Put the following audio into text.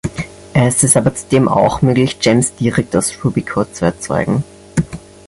Es ist aber zudem auch möglich, Gems direkt aus Ruby Code zu erzeugen.